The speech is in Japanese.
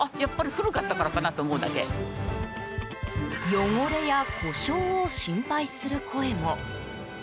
汚れや故障を心配する声も。